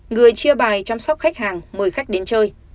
người chia bài chăm sóc khách hàng mời khách đến chơi